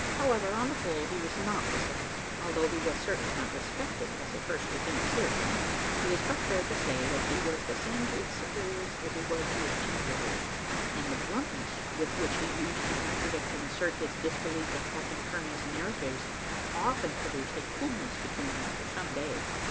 However, on the whole, he was not disliked, although he was certainly not respected as a first lieutenant should have been. It is but fair to say that he was the same to his superiors as he was to his inferiors; and the bluntness with which he used to contradict and assert his disbelief of Captain Kearney's narratives often produced a coolness between them for some days.